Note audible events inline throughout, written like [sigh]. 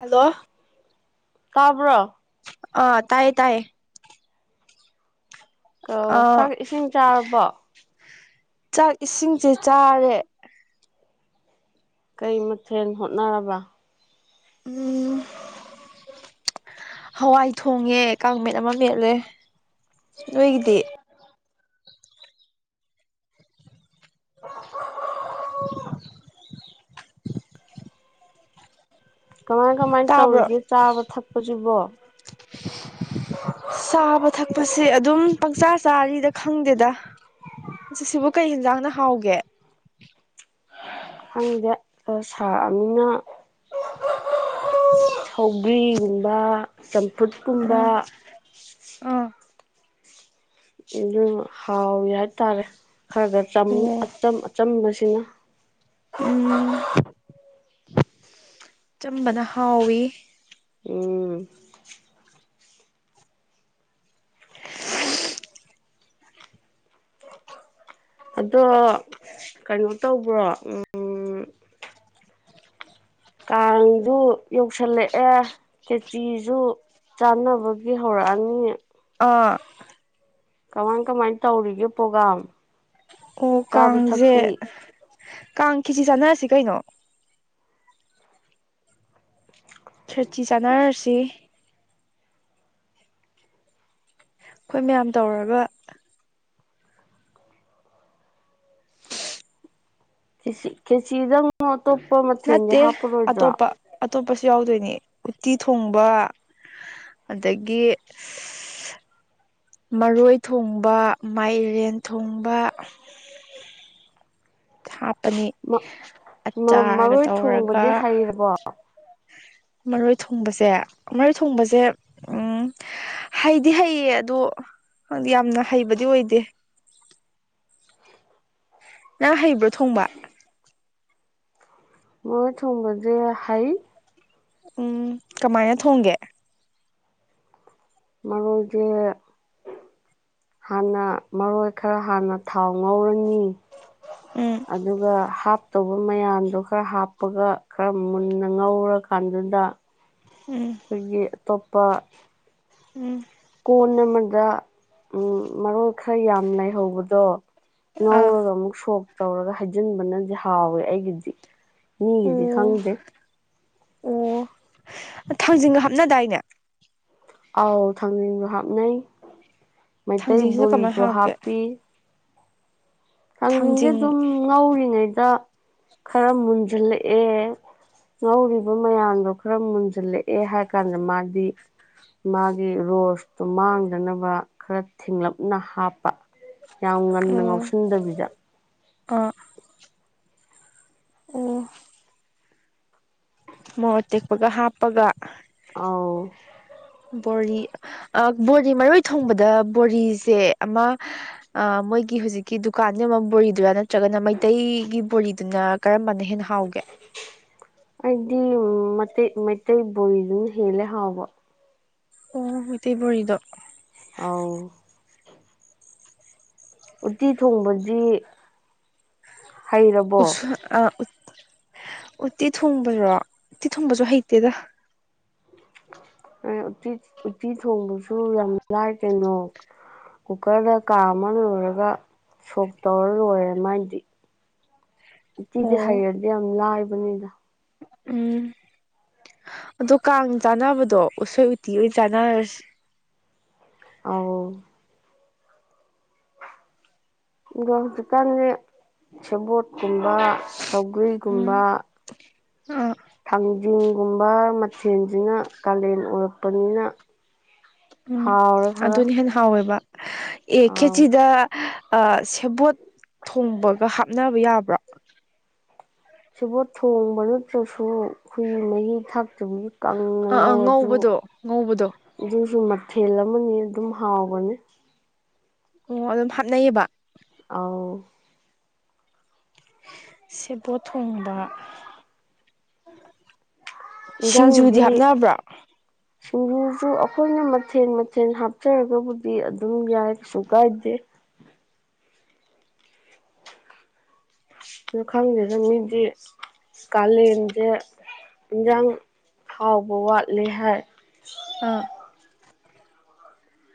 hello ꯇꯥꯕ꯭ꯔꯣ ꯑ ꯇꯥꯏꯌꯦ ꯇꯥꯏꯌꯦ ꯀ ꯑꯥ ꯆꯥꯛ ꯏꯁꯤꯡ ꯆꯥꯔꯕꯣ ꯆꯥꯛ ꯏꯁꯤꯡꯖꯦ ꯆꯥꯔꯦ ꯀꯩ ꯃꯊꯦꯜ ꯍꯣꯠꯅꯔꯕ ꯎꯝ ꯍꯋꯥꯏ ꯊꯣꯡꯉꯦ ꯀꯥꯡꯃꯦꯠ ꯑꯃ ꯃꯦꯠꯂꯦ ꯅꯣꯏꯒꯤꯗꯤ [unintelligible] ꯀꯃꯥꯏ ꯀꯃꯥꯏ ꯇꯥꯕ꯭ꯔꯣ ꯇꯧꯔꯤꯒꯦ ꯆꯥꯕ ꯊꯛꯄꯁꯤꯕꯣ [unintelligible] ꯆꯥꯕ ꯊꯛꯄꯁꯦ ꯑꯗꯨꯝ ꯄꯪꯆꯥ ꯆꯥꯔꯤꯗ ꯈꯪꯗꯦꯗ [unintelligible] ꯀꯩ ꯍꯦꯟꯖꯥꯡꯅ ꯍꯥꯎꯒꯦ ꯈꯪꯗꯦ ꯑ ꯁꯥꯛꯑꯝꯃꯤꯅ ꯁꯧꯒ꯭ꯔꯤꯒꯨꯝꯕ ꯆꯝꯐꯨꯠꯀꯨꯝꯕ ꯎꯝ ꯑꯥ ꯑꯗꯨ ꯍꯥꯎꯋꯤ ꯍꯥꯏꯇꯥꯔꯦ ꯈꯔ ꯈꯔ ꯆꯝ ꯑꯣ ꯑꯆꯝ ꯑꯆꯝꯕꯁꯤꯅ ꯎꯝ ꯑꯆꯝꯕꯅ ꯍꯥꯎꯋꯤ ꯎꯝ ꯑꯗꯣ ꯀꯩꯅꯣ ꯇꯧꯕ꯭ꯔꯣ ꯎꯝ ꯀꯥꯡꯗꯨ ꯌꯧꯁꯤꯜꯂꯛꯑꯦ ꯀꯦꯆꯤꯖꯨ ꯆꯥꯅꯕꯒꯤ ꯍꯧꯔꯛꯑꯅꯤ ꯑꯥ ꯀꯃꯥꯏ ꯀꯃꯥꯏꯅ ꯇꯧꯔꯤꯒꯦ ꯄꯣꯒꯥꯝ ꯑꯣ ꯀꯥꯡꯖꯦ ꯀꯥꯡ ꯈꯦꯆꯤ ꯆꯥꯟꯅꯔꯁꯦ ꯀꯩꯅꯣ ꯈꯦꯆ꯭ꯔꯤ ꯆꯥꯅꯔꯁꯤ ꯈꯣꯏ ꯃꯌꯥꯝ ꯇꯧꯔꯒ ꯀꯦꯆ ꯀꯦꯆꯤꯗꯪ ꯑꯇꯣꯞꯄ ꯃꯊꯦꯜꯗꯤ ꯅꯠꯇꯦ ꯍꯥꯞꯄꯔꯣꯏꯗ꯭ꯔꯣ ꯑꯇꯣꯞꯄ ꯑꯇꯣꯞꯄꯁꯨ ꯌꯥꯎꯗꯣꯏꯅꯦ ꯎꯠꯇꯤ ꯊꯣꯡꯕ ꯑꯗꯒꯤ ꯃꯔꯣꯏ ꯊꯣꯡꯕ ꯃꯥꯏꯔꯦꯟ ꯊꯣꯡꯕ ꯍꯥꯞꯄꯅꯤ ꯃꯥ ꯑꯆꯥꯔꯒ ꯃꯔꯣꯏ ꯇꯧꯔꯒ ꯊꯣꯡꯕꯗꯤ ꯍꯩꯔꯕꯣ ꯃꯔꯣꯏ ꯊꯣꯡꯕꯁꯦ ꯃꯔꯣꯏ ꯊꯣꯡꯕꯁꯦ ꯎꯝ ꯍꯩꯗꯤ ꯍꯩꯌꯦ ꯑꯗꯣ ꯌꯥꯝꯅ ꯍꯩꯕꯗꯤ ꯑꯣꯏꯗꯦ ꯅꯪ ꯍꯩꯕ꯭ꯔꯣ ꯊꯣꯡꯕ ꯃꯣꯏ ꯊꯣꯡꯕꯗꯤ ꯍꯩ ꯎꯝ ꯀꯃꯥꯏꯅ ꯊꯣꯡꯒꯦ ꯃꯔꯣꯏꯖꯦ ꯍꯥꯟꯅ ꯃꯔꯣꯏ ꯈꯔ ꯍꯥꯟꯅ ꯊꯥꯎ ꯉꯧꯔꯅꯤ ꯎꯝ ꯎꯝ ꯑꯗꯨꯒ ꯍꯥꯞ ꯇꯧꯕ ꯃꯌꯥꯝꯗꯣ ꯈꯔ ꯍꯥꯞꯄꯒ ꯈꯔ ꯃꯨꯟꯅ ꯉꯧꯔꯀꯥꯟꯗꯨꯗ ꯎꯝ ꯑꯩꯈꯣꯏꯒꯤ ꯑꯇꯣꯞꯄ ꯎꯝ ꯀꯣꯟ ꯑꯃꯗ ꯃꯔꯣꯏ ꯈꯔ ꯌꯥꯝ ꯂꯩꯍꯧꯕꯗꯣ ꯑꯥ ꯉꯧꯔꯒ ꯑꯃꯨꯛ ꯁꯣꯛ ꯇꯧꯔꯒ ꯍꯩꯖꯤꯟꯕꯅꯗꯤ ꯍꯥꯎꯋꯦ ꯑꯩꯒꯤꯗꯤ ꯑꯣ ꯃꯤꯒꯤꯗꯤ ꯈꯪꯗꯦ ꯑꯣ ꯊꯥꯡꯖꯤꯡꯒ ꯍꯥꯞꯅꯗꯥꯏꯅꯦ ꯑꯥꯎ ꯊꯥꯡꯖꯤꯡꯁꯨ ꯍꯥꯞꯅꯩ ꯃꯩꯇꯩ ꯊꯥꯡꯖꯤꯡꯁꯤꯅ ꯀꯃꯥꯏꯅ ꯕꯣꯔꯤꯁꯨ ꯍꯥꯞꯀꯦ ꯍꯥꯞꯄꯤ ꯀꯛꯖꯤꯡꯖꯦ ꯊꯥꯡꯖꯤꯡ ꯑꯗꯨꯝ ꯉꯧꯔꯤꯉꯩꯗ ꯈꯔ ꯃꯨꯟꯖꯤꯜꯂꯛꯑꯦ ꯉꯧꯔꯤꯕ ꯃꯌꯥꯝꯗꯣ ꯈꯔ ꯃꯨꯟꯁꯤꯜꯂꯛꯑꯦ ꯍꯥꯏ ꯀꯥꯟꯗ ꯃꯥꯗꯤ ꯃꯥꯒꯤ ꯔꯣꯁꯇꯣ ꯃꯥꯡꯗꯅꯕ ꯈꯔ ꯊꯤꯡꯂꯞꯅ ꯍꯥꯞꯄ ꯌꯥꯝ ꯉꯟꯅ ꯑꯣ ꯉꯧꯁꯤꯟꯗꯕꯤꯗ ꯑꯥ ꯑꯣ ꯃꯣꯔꯣꯛ ꯑꯇꯦꯛꯄꯒ ꯍꯥꯄꯒ ꯑꯥꯎ ꯕꯣꯔꯤ ꯑ ꯕꯣꯔꯤ ꯃꯔꯣꯏ ꯊꯣꯡꯕꯗ ꯕꯣꯔꯤꯁꯦ ꯑꯃ ꯑ ꯃꯣꯏꯒꯤ ꯍꯧꯖꯤꯛꯀꯤ ꯗꯨꯀꯥꯟꯗ ꯌꯣꯟꯕ ꯕꯣꯔꯤꯗꯨꯔꯥ ꯅꯠꯇ꯭ꯔꯒꯅ ꯃꯩꯇꯩꯒꯤ ꯕꯣꯔꯤꯗꯨꯅ ꯀꯔꯝꯕꯅ ꯍꯦꯟꯅ ꯍꯥꯎꯒꯦ ꯑꯩꯗꯤ ꯃꯇꯦꯛ ꯃꯩꯇꯩ ꯕꯣꯔꯤꯗꯨꯅ ꯍꯦꯟꯂꯦ ꯍꯥꯎꯕ ꯑꯣ ꯃꯩꯇꯩ ꯕꯣꯔꯤꯗꯣ ꯑꯧ ꯎꯠꯇꯤ ꯊꯣꯡꯕꯗꯤ ꯍꯩꯔꯕꯣ ꯎꯁꯣꯏ ꯑꯥ ꯎꯠ ꯎꯠꯇꯤ ꯊꯣꯡꯕꯔꯣ ꯎꯠꯇꯤ ꯊꯣꯡꯕꯁꯨ ꯍꯩꯇꯦꯗ ꯑꯦ ꯎꯠꯇꯤ ꯎꯠꯇꯤ ꯊꯣꯡꯕꯁꯨ ꯌꯥꯝ ꯂꯥꯏ ꯀꯩꯅꯣ ꯀꯨꯀꯔꯗ ꯀꯥꯃ ꯂꯣꯏꯔꯒ ꯁꯣꯛ ꯇꯧꯔ ꯂꯣꯏꯔꯦ ꯃꯥꯏꯗꯤ [unintelligible] ꯎꯠꯇꯤꯗꯤ ꯑꯣ ꯍꯩꯔꯗꯤ ꯌꯥꯝ ꯂꯥꯏꯕꯅꯦꯗ ꯎꯝ ꯑꯗꯣ ꯀꯥꯡ ꯆꯥꯅꯕꯗꯣ ꯎꯁꯣꯏ ꯎꯠꯇꯤ ꯑꯣꯏꯅ ꯆꯥꯟꯅꯔꯁꯤ ꯑꯧ ꯑꯗꯣ ꯍꯧꯖꯤꯛꯀꯥꯟꯗꯤ ꯁꯦꯕꯣꯠꯀꯨꯝꯕ ꯁꯧꯒ꯭ꯔꯤꯒꯨꯝꯕ ꯎꯝ ꯑ ꯊꯥꯡꯖꯤꯡꯒꯨꯝꯕ ꯃꯊꯦꯜꯁꯤꯅ ꯀꯥꯂꯦꯟ ꯑꯣꯏꯔꯛꯄꯅꯤꯅ ꯎꯝ ꯍꯥꯎꯔꯦ ꯈꯔ ꯑꯗꯨꯅ ꯍꯦꯟꯅ ꯍꯥꯎꯋꯦꯕ ꯑꯦ ꯑꯥꯎ ꯈꯦꯆꯤꯗ ꯑ ꯁꯦꯕꯣꯠ ꯊꯣꯡꯕꯒ ꯍꯥꯞꯅꯕ ꯌꯥꯕ꯭ꯔꯣ ꯁꯦꯕꯣꯠ ꯊꯣꯡꯕ ꯅꯠꯇ꯭ꯔꯁꯨ ꯍꯨꯏ ꯃꯍꯤ ꯊꯥꯛꯇꯕꯒꯤ ꯀꯪꯅ ꯑꯥ ꯑꯥ ꯉꯧꯔꯁꯨ ꯉꯧꯕꯗꯣ ꯉꯧꯕꯗꯣ ꯑꯗꯨꯁꯨ ꯃꯊꯦꯜ ꯑꯃꯅꯤ ꯑꯗꯨꯝ ꯍꯥꯎꯕꯅꯤ ꯑꯣ ꯑꯗꯨꯝ ꯍꯥꯞꯅꯩꯕ ꯑꯥꯎ ꯁꯦꯕꯣꯠ ꯊꯣꯡꯕ ꯁꯤꯡꯖꯨꯗꯤ ꯏꯟꯖꯥꯡꯗꯤ ꯍꯥꯞꯅꯕ꯭ꯔꯣ [unintelligible] ꯁꯤꯡꯖꯨꯁꯨ ꯑꯩꯈꯣꯏꯅ ꯃꯊꯦꯜ ꯃꯊꯦꯜ ꯍꯥꯞꯆꯔꯒꯕꯨꯗꯤ ꯑꯗꯨꯝ ꯌꯥꯏ ꯀꯩꯁꯨ ꯀꯥꯏꯗꯦ ꯑꯗꯨ ꯈꯪꯗꯦꯗꯥ ꯃꯤꯗꯤ ꯀꯥꯂꯦꯟꯖꯦ ꯏꯟꯖꯥꯡ ꯍꯥꯎꯕ ꯋꯥꯠꯂꯦ ꯍꯥꯏ ꯑꯥ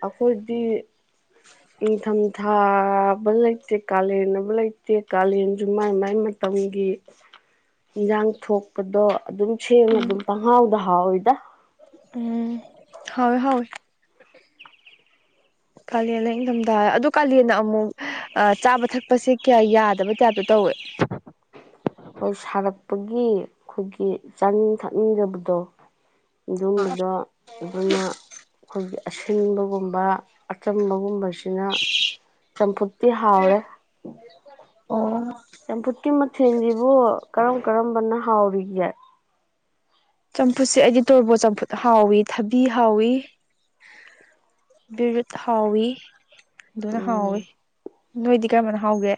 ꯑꯈꯣꯏꯗꯤ ꯅꯤꯡꯊꯝꯊꯥꯕ ꯂꯩꯇꯦ ꯀꯥꯂꯦꯟ ꯑꯕꯥ ꯂꯩꯇꯦ ꯀꯥꯂꯦꯟꯁꯨ ꯃꯥꯏ ꯃꯥꯏ ꯃ ꯇꯝꯒꯤ ꯏꯟꯖꯥꯡ ꯊꯣꯛꯄꯗꯣ ꯑꯗꯨꯝ ꯁꯦꯡꯃ ꯑꯗꯨꯝ ꯎꯝ ꯄꯪꯍꯥꯎꯗ ꯍꯥꯎꯋꯤꯗꯥ ꯎꯝ ꯍꯥꯎꯋꯦ ꯍꯥꯎꯋꯦ ꯀꯥꯂꯦꯟꯂꯥ ꯏꯪꯊꯝꯊꯥꯔꯥ ꯑꯗꯨ ꯀꯥꯂꯦꯟꯅ ꯑꯃꯨꯛ ꯑ ꯆꯥꯕ ꯊꯛꯄꯁꯦ ꯀꯌꯥ ꯌꯥꯗꯕꯩ ꯇꯥꯏꯠꯇꯥ ꯇꯧꯋꯦ ꯍꯣꯏ ꯁꯥꯔꯛꯄꯒꯤ ꯈꯣꯏꯒꯤ ꯆꯥꯅꯤꯡ ꯊꯛꯅꯤꯡꯗꯕꯗꯣ ꯑꯗꯨꯝꯕꯗꯣ ꯑꯗꯨꯅ ꯑꯈꯣꯏꯒꯤ ꯑꯁꯤꯟꯕꯒꯨꯝꯕ ꯑꯆꯝꯕꯒꯨꯝꯕꯁꯤꯅ ꯆꯝꯐꯨꯠꯇꯤ ꯍꯥꯎꯔꯦ ꯑꯣ ꯆꯝꯐꯨꯠꯀꯤ ꯃꯊꯦꯜꯗꯤ [unintelligible] ꯀꯔꯝ ꯀꯔꯝꯕꯥꯅ ꯍꯥꯎꯔꯤꯒꯦ ꯆꯝꯐꯨꯠꯁꯦ ꯑꯩꯗꯤ ꯇꯣꯔꯣꯕꯣꯠ ꯆꯝꯐꯨꯠ ꯍꯥꯎꯋꯤ ꯊꯥꯕꯤ ꯍꯥꯎꯋꯤ ꯕꯤꯔꯨꯠ ꯍꯥꯎꯋꯤ ꯂꯣꯏꯅ ꯍꯥꯎꯋꯤ ꯎꯝ ꯅꯣꯏꯗꯤ ꯀꯔꯝꯕꯥꯅ ꯍꯥꯎꯒꯦ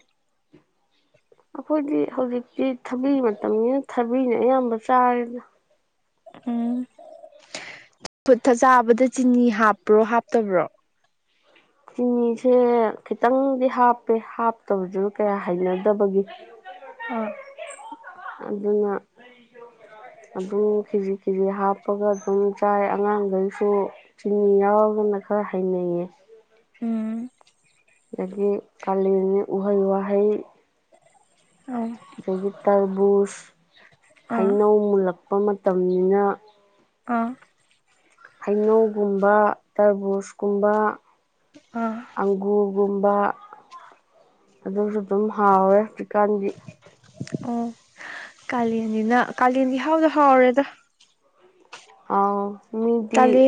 ꯑꯈꯣꯏꯗꯤ ꯍꯧꯖꯤꯛꯇꯤ ꯊꯥꯕꯤ ꯃꯇꯝꯅꯤꯅ ꯊꯥꯕꯤꯅ ꯑꯌꯥꯝꯕ ꯆꯥꯔꯦꯗ ꯎꯝ ꯆꯝꯐꯨꯠ ꯆꯥꯕꯗ ꯆꯤꯅꯤ ꯍꯥꯞꯄ꯭ꯔꯣ ꯍꯥꯞꯇꯕ꯭ꯔꯣ ꯆꯤꯅꯤꯁꯦ ꯈꯤꯇꯪꯗꯤ ꯍꯥꯞꯄꯦ ꯍꯥꯞꯇꯕꯗꯨꯁꯨ ꯀꯌꯥ ꯍꯩꯅꯗꯥꯕꯒꯤ [unintelligible] ꯑꯥ ꯑꯗꯨꯅ ꯑꯗꯨ ꯀꯦꯖꯤ ꯀꯦꯖꯤ ꯍꯥꯞ ꯍꯥꯞꯄꯒ ꯑꯗꯨꯝ ꯆꯥꯏ ꯑꯉꯥꯡꯒꯩꯁꯨ ꯆꯤꯅꯤ ꯌꯥꯎꯔꯒꯥꯅ ꯈꯔꯥ ꯍꯩꯅꯩꯌꯦ ꯎꯝ ꯑꯗꯥꯒꯤ ꯀꯥꯂꯦꯟꯅꯤ ꯎꯍꯩ ꯋꯥꯍꯩ ꯑꯥꯎ ꯑꯗꯥꯒꯤ ꯇꯔꯕꯨꯁ ꯑꯥ ꯍꯩꯅꯧ ꯃꯨꯜꯂꯛꯄ ꯃꯇꯝꯅꯤꯅ ꯑꯥ ꯍꯩꯅꯧꯒꯨꯝꯕ ꯇꯔꯥꯕꯨꯁꯀꯨꯝꯕ ꯑꯥ ꯑꯪꯒꯨꯔꯒꯨꯝꯕ ꯑꯗꯨꯁꯨ ꯑꯗꯨꯝ ꯍꯥꯎꯔꯦ ꯍꯧꯖꯤꯛꯀꯥꯟꯗꯤ ꯅꯤꯅ ꯀꯥꯂꯦꯟꯗꯤ ꯏꯍꯥꯎꯗꯥ ꯍꯥꯎꯔꯦꯗꯥ ꯑꯥꯎ ꯃꯤꯗꯤ ꯇꯜꯂꯦ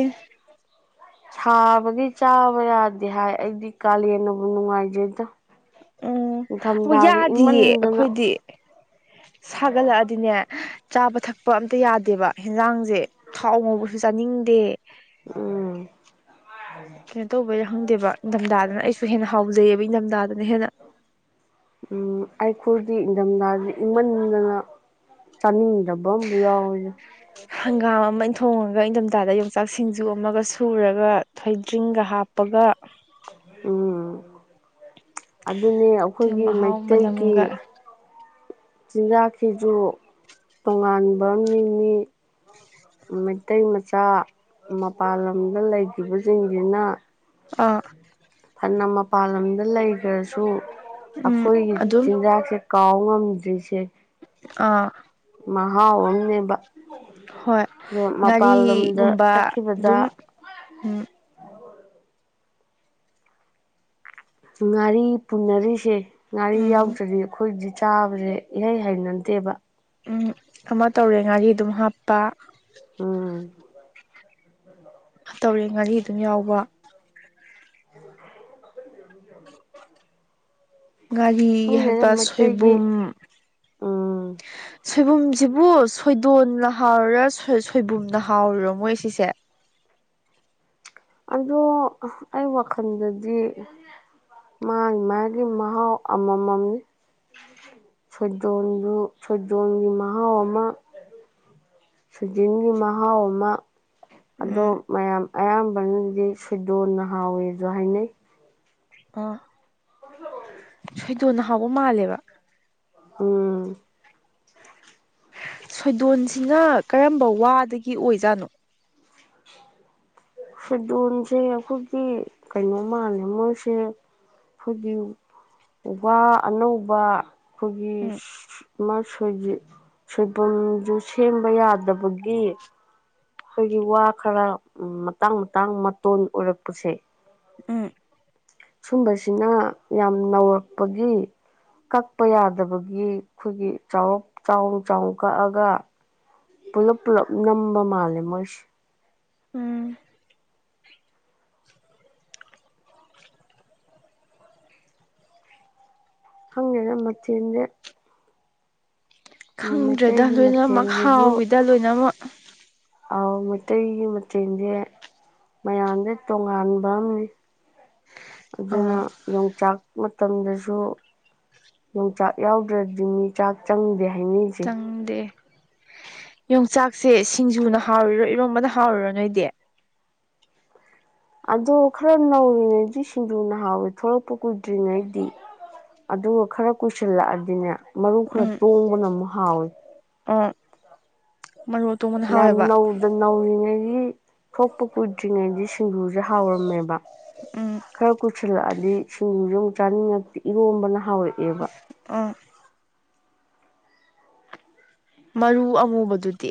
ꯁꯥꯕꯒꯤ ꯆꯥꯕ ꯌꯥꯗꯦ ꯍꯥꯏ ꯑꯩꯗꯤ ꯀꯥꯂꯦꯟꯅꯕꯨ ꯅꯨꯡꯉꯥꯏꯖꯩꯗ ꯎꯝ ꯅꯤꯡꯊꯝꯊꯥꯁꯦ ꯌꯥꯗꯤꯌꯦ ꯏꯪꯃꯟꯗꯅ ꯑꯈꯣꯏꯗꯤ ꯁꯥꯒꯠꯂꯛꯑꯥꯗꯤꯅꯦ ꯆꯥꯕ ꯊꯛꯄ ꯑꯝꯇꯥ ꯌꯥꯗꯦꯕ ꯍꯦꯟꯖꯥꯡꯖꯦ ꯊꯥꯎ ꯉꯧꯕꯁꯨ ꯆꯥꯅꯤꯡꯗꯦ ꯎꯝ ꯀꯩꯅꯣ ꯇꯧꯕꯩꯔꯥ ꯈꯪꯗꯦꯕ ꯏꯪꯊꯝꯊꯥꯗꯅ ꯑꯩꯁꯨ ꯍꯦꯟꯅ ꯍꯥꯎꯖꯩꯌꯦꯕꯥ ꯏꯪꯊꯝꯊꯥꯗꯅ ꯍꯦꯟꯅ ꯎꯝ ꯑꯩꯩꯈꯣꯏꯒꯤ ꯏꯪꯊꯝꯊꯥꯖꯦ ꯏꯪꯃꯟꯗꯥꯅ ꯆꯥꯅꯤꯡꯗꯥꯕ ꯑꯃꯕꯨ ꯌꯥꯎꯋꯤꯗꯥ ꯍꯪꯒꯥꯝ ꯑꯃꯥ ꯊꯣꯡꯉꯥꯒ ꯏꯪꯊꯝꯊꯥꯗ ꯌꯣꯡꯆꯥꯛ ꯁꯤꯡꯖꯨ ꯑꯃꯒ ꯁꯨꯔꯒ ꯊꯣꯏꯗ꯭ꯔꯤꯡꯒꯥ ꯍꯥꯞ ꯄꯥꯒꯥ ꯎꯝ ꯑꯗꯨꯅꯦ ꯑꯗꯨ ꯑꯩꯈꯣꯏꯒꯤ ꯃꯍꯥꯎ ꯃꯩꯇꯩꯒꯤ ꯃꯅꯝꯒ ꯆꯤꯟꯖꯥꯛꯁꯤꯁꯨ ꯇꯣꯉꯥꯟꯕ ꯑꯃꯅꯤ [inaudible] ꯃꯩꯇꯩ ꯃꯆꯥ ꯃꯄꯥꯥꯟ ꯂꯝꯗ ꯂꯩꯈꯤꯕꯁꯤꯡꯁꯤꯅ ꯑꯥ ꯐꯅ ꯃꯄꯥꯟ ꯂꯝꯗ ꯂꯩꯈ꯭ꯔꯁꯨ ꯎꯝ ꯑꯩꯈꯣꯏꯒꯤ ꯑꯗꯨꯝ ꯆꯤꯟꯖꯥꯛꯁꯦ ꯀꯥꯎ ꯉꯝꯗ꯭ꯔꯤꯁꯦ ꯑꯥ ꯃꯍꯥꯎ ꯑꯃꯝꯅꯦꯕ ꯍꯣꯏ ꯑꯗꯣ ꯃꯄꯥꯜ ꯂꯥꯝꯗ ꯉꯥꯔꯤꯒꯨꯝꯕ ꯆꯠꯈꯤꯕꯗ ꯑꯗꯨꯝ ꯎꯝ ꯉꯥꯔꯤ ꯄꯨꯟꯅꯔꯤꯁꯦ ꯉꯥꯔꯤ ꯎꯝ ꯌꯥꯎꯗ꯭ꯔꯗꯤ ꯑꯩꯈꯣꯏꯗꯤ ꯆꯥꯕꯁꯦ ꯏꯍꯩ ꯍꯩꯅꯗꯦꯕ ꯎꯝ ꯑꯃ ꯇꯧꯔꯦ ꯉꯥꯔꯤ ꯑꯗꯨꯝ ꯍꯥꯞꯄ ꯑꯝ ꯇꯧꯔꯦ ꯉꯥꯔꯤ ꯑꯗꯨꯝ ꯌꯥꯎꯕ [inaudible] ꯉꯥꯔꯤ ꯈꯪꯗꯦꯗ ꯍꯦꯟꯇꯥꯛ ꯃꯩꯇꯩꯒꯤ ꯁꯣꯏꯕꯨꯝ [inaudible] ꯁꯣꯏꯕꯨꯝꯁꯤꯕꯨ ꯁꯣꯏꯗꯣꯟꯅ ꯍꯥꯎꯔꯤꯔꯥ ꯁꯣꯏꯕꯨꯝꯅ ꯍꯥꯎꯔꯤꯔꯣ ꯃꯣꯏ ꯁꯤꯁꯦ ꯑꯗꯣ ꯑꯩ ꯋꯥꯈꯜꯗꯗꯤ ꯃꯥꯒꯤ ꯃꯥꯒꯤ ꯃꯍꯥꯎ ꯑꯃꯃꯝꯅꯤ ꯁꯣꯏꯗꯣꯟꯗꯨ ꯁꯣꯏꯗꯣꯟꯒꯤ ꯃꯍꯥꯎ ꯑꯃ ꯁꯨꯖꯤꯟꯒꯤ ꯃꯍꯥꯎ ꯑꯃ ꯑꯗꯣ ꯎꯝ ꯃꯌꯥꯝ ꯑꯌꯥꯝꯕꯅꯗꯤ ꯁꯣꯏꯗꯣꯟꯅ ꯍꯥꯎꯋꯦꯁꯨ ꯍꯥꯏꯅꯩ ꯑ [unintelligible] ꯁꯣꯏꯗꯣꯟꯅ ꯍꯥꯎꯕ ꯃꯥꯜꯂꯦꯕ ꯎꯝ ꯁꯣꯏꯗꯣꯟꯁꯤꯅ ꯀꯔꯝꯕ ꯋꯥꯗꯒꯤ ꯑꯣꯏꯖꯥꯠꯅꯣ ꯁꯗꯣꯟꯁꯦ ꯑꯩꯈꯣꯏꯒꯤ ꯀꯩꯅꯣ ꯃꯥꯜꯂꯦ ꯃꯣꯏꯁꯦ ꯑꯩꯈꯣꯏꯒꯤ ꯋꯥ ꯑꯅꯧꯕ ꯑꯩꯈꯣꯏꯒꯤ ꯎꯝ ꯑꯃ ꯁꯣꯏꯕꯨꯝꯁꯨ ꯁꯦꯝꯕ ꯌꯥꯗꯕꯒꯤ ꯑꯩꯈꯣꯏꯒꯤ ꯋꯥ ꯈꯔ ꯃꯇꯥꯡ ꯃꯇꯥꯡ ꯃꯇꯣꯟ ꯑꯣꯏꯔꯛꯄꯁꯦ ꯎꯝ ꯁꯨꯝꯕꯁꯤꯅ ꯌꯥꯝ ꯅꯧꯔꯛꯄꯒꯤ ꯀꯛꯄ ꯌꯥꯗꯕꯒꯤ ꯑꯩꯈꯣꯏꯒꯤ ꯆꯥꯎꯔꯞ ꯆꯥꯎ ꯆꯥꯎ ꯀꯛꯑꯒ ꯄꯨꯜꯂꯞ ꯄꯨꯜꯂꯞ ꯅꯝꯕ ꯃꯥꯜꯂꯦ ꯃꯣꯏꯁꯦ ꯎꯝ ꯈꯪꯗꯦꯗꯥ ꯃꯊꯦꯜꯁꯦ ꯈꯪꯗ꯭ꯔꯦꯗ ꯃꯩꯇꯩꯒꯤ ꯂꯣꯏꯅꯃꯛ ꯃꯊꯦꯜꯁꯤꯁꯨ ꯍꯥꯎꯋꯤꯗ ꯂꯣꯏꯅꯃꯛ ꯑꯥꯎ ꯃꯩꯇꯩꯒꯤ ꯃꯊꯦꯜꯖꯦ ꯃꯌꯥꯝꯗꯩ ꯇꯣꯉꯥꯟꯕ ꯑꯃꯅꯤ ꯑꯗꯨꯅ ꯑꯥ ꯌꯣꯡꯆꯥꯛ ꯃꯇꯝꯗꯁꯨ ꯌꯣꯡꯆꯥꯛ ꯌꯥꯎꯗ꯭ꯔꯗꯤ ꯃꯤ ꯆꯥꯛ ꯆꯪꯗꯦ ꯍꯥꯏꯅꯤ ꯆꯪ ꯌꯣꯡꯆꯥꯛꯁꯦ ꯁꯤꯡꯖꯨꯅ ꯍꯥꯎꯔꯤꯔꯣ ꯏꯔꯣꯝꯕꯅꯥ ꯍꯥꯎꯔꯤꯔꯣ ꯅꯣꯏꯗꯤ ꯑꯗꯣ ꯈꯔ ꯅꯧꯔꯤꯉꯩꯗꯤ ꯁꯤꯡꯖꯨ ꯅꯍꯥꯎꯋꯦ ꯊꯂꯛꯄ ꯀꯨꯏꯗ꯭ꯔꯤꯉꯩꯗꯤ ꯑꯗꯨꯒ ꯈꯔ ꯀꯨꯁꯤꯜꯂꯛꯑꯗꯤꯅꯦ ꯃꯔꯨ ꯈꯔ ꯇꯣꯡꯕꯅ ꯑꯃꯨꯛ ꯍꯥꯎꯏ ꯑꯣ ꯃꯔꯨ ꯑꯇꯣꯡꯕꯅ ꯌꯥꯝ ꯍꯥꯎꯋꯦꯕ ꯅꯧꯗ ꯅꯧꯔꯤꯉꯩꯒꯤ ꯊꯣꯛꯄ ꯀꯨꯏꯗ꯭ꯔꯤꯉꯩꯗꯤ ꯁꯤꯡꯖꯨꯁꯦ ꯍꯥꯎꯔꯝꯃꯦꯕ ꯎꯝ ꯈꯔ ꯀꯨꯏꯁꯤꯜꯂꯛꯑꯗꯤ ꯁꯤꯡꯖꯨꯁꯦ ꯑꯃꯨꯛ ꯆꯥꯅꯤꯡꯉꯛꯇꯤ ꯏꯔꯣꯝꯕꯅ ꯍꯥꯎꯋꯤ ꯑ ꯃꯔꯨ ꯑꯃꯨꯕꯗꯨꯗꯤ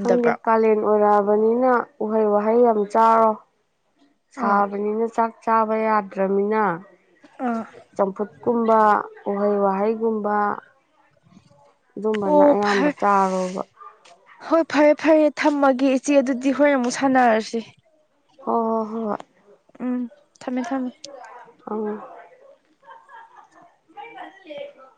ꯈꯪꯗꯦ ꯀꯥꯂꯦꯟ ꯑꯣꯏꯔꯛꯑꯕꯅꯤꯅ ꯎꯍꯩ ꯋꯥꯍꯩ ꯌꯥꯝ ꯆꯥꯔꯣ ꯑꯥ ꯁꯥꯕꯅꯤꯅ ꯆꯥꯛ ꯆꯥꯕ ꯌꯥꯗ꯭ꯔꯅꯤꯅ ꯑꯥ ꯆꯝꯐꯨꯠꯀꯨꯝꯕ ꯎꯍꯩ ꯋꯥꯍꯩꯒꯨꯝꯕ ꯑꯗꯨꯝꯕꯅ ꯑꯣ ꯑꯌꯥꯝꯕ ꯐꯔꯦ ꯆꯥꯔꯣꯕ ꯍꯣꯏ ꯐꯔꯦ ꯐꯔꯦ ꯊꯝꯃꯒꯦ ꯏꯆꯦ ꯑꯗꯨꯗꯤ ꯍꯣꯔꯦꯟ ꯑꯃꯨꯛ ꯁꯥꯟꯅꯔꯁꯤ ꯑꯣ ꯍꯣ ꯍꯣꯏ ꯍꯣꯏ ꯎꯝ ꯊꯝꯃꯦ ꯊꯝꯃꯦ ꯑꯡ ꯃꯥꯏꯁꯦ [unintelligible]